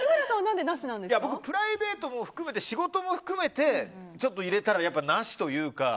僕、プライベートも仕事も含めて入れたらなしというか。